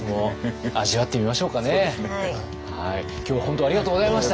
今日は本当ありがとうございました。